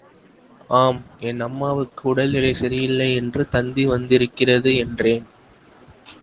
ஆம் என் அம்மாவுக்கு உடல் நிலை சரியில்லை என்று தந்தி வந்திருக்கிறது என்றேன்.